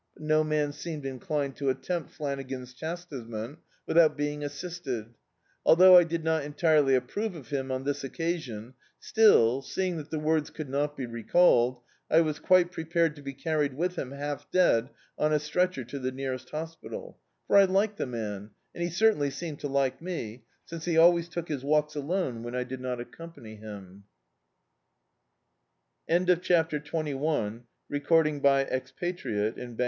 But no man seemed inclined to attempt Flanagan's chas tisement, without being assisted. Althou^ I did not entirely approve of him on this occasion, still, seeing that the words could not be recalled, I was quite prepared to be carried with him half dead on a stretcher to the nearest hospital; for I liked the ' man, and he certainly seemed to like me, since he always took his walks alone when J did not acccrni pany him. Dn.